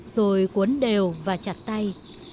rồi cuốn đều và chặt tay